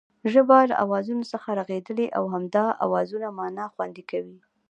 ژبه له آوازونو څخه رغېدلې او همدا آوازونه مانا خوندي کوي